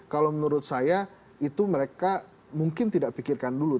kalau menurut saya itu mereka mungkin tidak pikirkan dulu